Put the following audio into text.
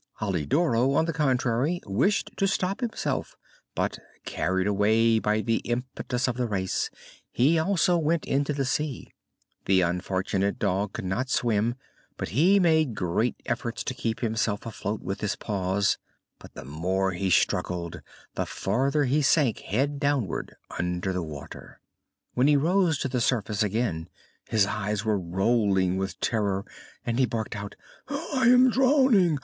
Alidoro, on the contrary, wished to stop himself, but, carried away by the impetus of the race, he also went into the sea. The unfortunate dog could not swim, but he made great efforts to keep himself afloat with his paws; but the more he struggled the farther he sank head downwards under the water. When he rose to the surface again his eyes were rolling with terror, and he barked out: "I am drowning!